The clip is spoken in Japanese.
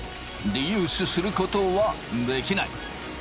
リユースすることはできない。